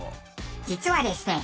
実はですね